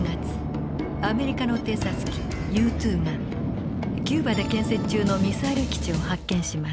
アメリカの偵察機Ｕ２がキューバで建設中のミサイル基地を発見します。